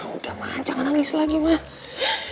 udah man jangan nangis lagi mah